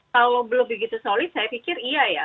kalau belum begitu solid saya pikir iya ya